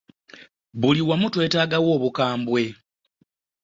Buli wamu twetaagawo obukambwe.